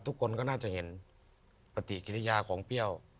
ทุกคนก็น่าจะเห็นปฏิกิริยาของเปรี้ยว